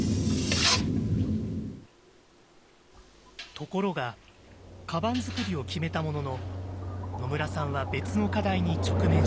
ところがかばん作りを決めたものの野村さんは別の課題に直面しました。